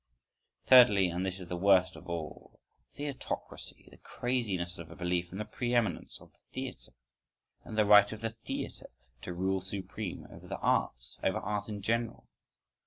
Thirdly, and this is the worst of all: Theatrocracy—, the craziness of a belief in the pre eminence of the theatre, in the right of the theatre to rule supreme over the arts, over Art in general.